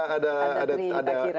ada tri pagi rapa